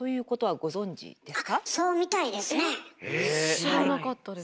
知らなかったです。